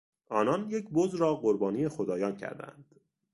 آنان یک بز را قربانی خدایان کردند.